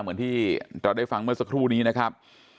เหมือนที่เราได้ฟังเมื่อสักครู่นี้นะครับ